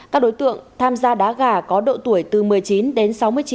các đối tượng tham gia đá gà có độ tuổi từ một mươi chín đến sáu mươi chín